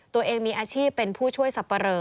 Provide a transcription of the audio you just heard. ตัวเองมีอาชีพเป็นผู้ช่วยสับปะเรอ